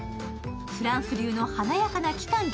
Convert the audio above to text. フランス流の華やかな期間